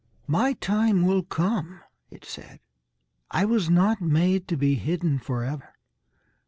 "My time will come," it said. "I was not made to be hidden forever.